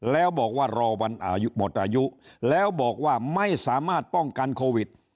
แล้วบอกว่ารอวันอายุหมดอายุแล้วบอกว่าไม่สามารถป้องกันโควิด